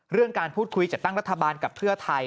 การพูดคุยจัดตั้งรัฐบาลกับเพื่อไทย